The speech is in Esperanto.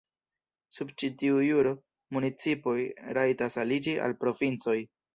Sub ĉi tiu juro, municipoj rajtas aliĝi al provincoj.